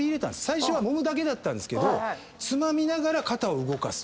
最初はもむだけだったけどつまみながら肩を動かすと。